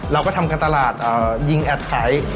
เราก็ทำการตลาดยิงแอดขาย